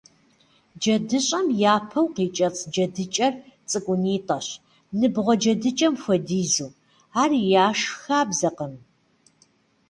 Джэдыщӏэм япэу къикӏэцӏ джэдыкӏэр цӏыкӏунитӏэщ, ныбгъуэ джэдыкӏэм хуэдизу, ар яшх хабзэкъым.